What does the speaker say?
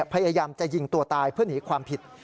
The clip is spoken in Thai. พยายามจะยิงตัวตายเพื่อหนีความผิด